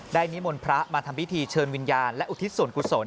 นิมนต์พระมาทำพิธีเชิญวิญญาณและอุทิศส่วนกุศล